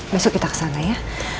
besok kita ke sana ya